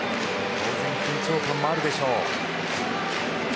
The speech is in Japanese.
当然、緊張感もあるでしょう。